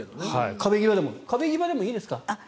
壁際でもいいですか？